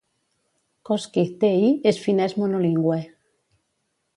Koski Tl és finès monolingüe.